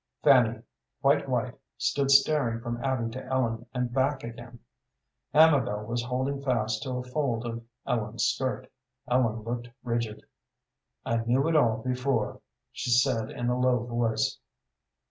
Fanny, quite white, stood staring from Abby to Ellen, and back again. Amabel was holding fast to a fold of Ellen's skirt. Ellen looked rigid. "I knew it all before," she said, in a low voice.